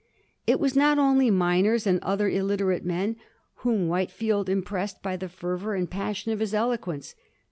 It was not only miners and other illiterate men whom White field impressed by the fervor and passion of his eloquence.